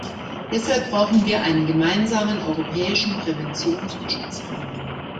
Deshalb brauchen wir einen gemeinsamen europäischen Präventions- und Schutzrahmen.